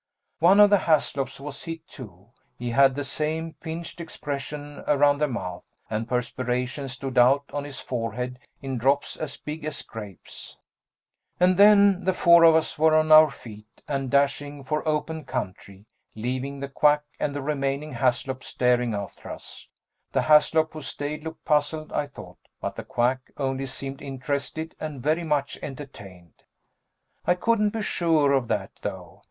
One of the Haslops was hit, too he had the same pinched expression around the mouth, and perspiration stood out on his forehead in drops as big as grapes. And then the four of us were on our feet and dashing for open country, leaving the Quack and the remaining Haslop staring after us. The Haslop who stayed looked puzzled, I thought, but the Quack only seemed interested and very much entertained. I couldn't be sure of that, though.